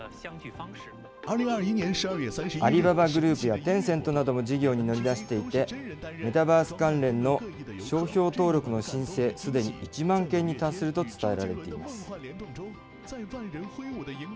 アリババグループやテンセントなども事業に乗り出していて、メタバース関連の商標登録の申請、すでに１万件に達すると伝えられています。